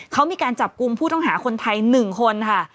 เขามีการจับกลุ่มผู้ต้องหาคนไทย๑คนค่ะ